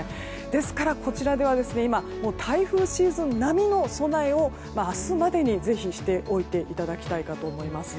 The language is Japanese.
ですから、こちらでは台風シーズン並みの備えを明日までにぜひしておいていただきたいかと思います。